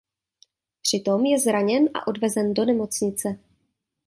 Při tom je zraněn a odvezen do nemocnice.